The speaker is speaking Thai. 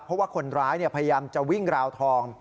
เพราะว่าคนร้ายพยายามจะวิ่งราวทอง